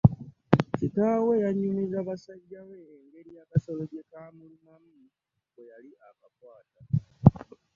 Kitaawe yanyumiza basajja be engeri akasolo gye kaamulumamu bwe yali akakwata.